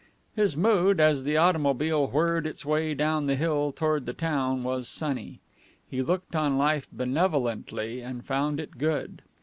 His mood, as the automobile whirred its way down the hill toward the town, was sunny. He looked on life benevolently and found it good.